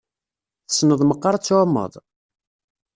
Tessneḍ meqqar ad tεummeḍ?